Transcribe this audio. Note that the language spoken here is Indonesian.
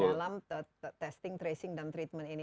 dalam testing tracing dan treatment ini